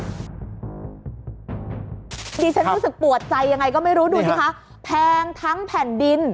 ดิฉันรู้สึกปวดใจยังไงก็ไม่รู้ดูสิคะแพงทั้งแผ่นดิน